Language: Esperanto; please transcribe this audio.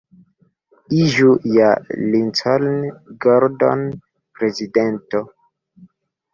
Iĝu ja Lincoln Gordon prezidento!